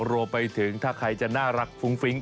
รวมไปถึงถ้าใครจะน่ารักฟุ้งฟิ้ง